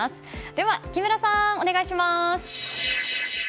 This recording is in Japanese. では、木村さんお願いします！